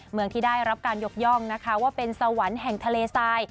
เมืองที่ได้รับการยกย่องนะคะว่าเป็นสวรรค์แห่งทะเลทราย